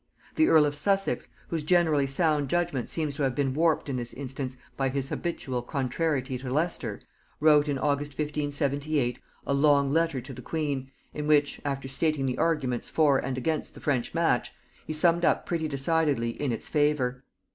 The earl of Sussex, whose generally sound judgement seems to have been warped in this instance by his habitual contrariety to Leicester, wrote in August 1578 a long letter to the queen, in which, after stating the arguments for and against the French match, he summed up pretty decidedly in its favor.